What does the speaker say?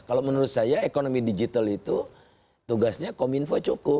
kalau menurut saya ekonomi digital itu tugasnya kominfo cukup